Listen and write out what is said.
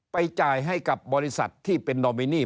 จ่ายให้กับบริษัทที่เป็นนอมินี